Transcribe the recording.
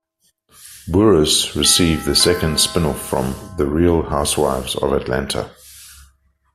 Burrus received the second spin-off from "The Real Housewives of Atlanta".